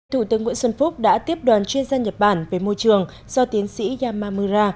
thủ tướng nguyễn xuân phúc đã tiếp đoàn chuyên gia nhật bản về môi trường do tiến sĩ yamamura